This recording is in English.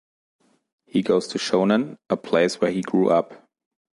He goes to Shonan, a place where he grew up.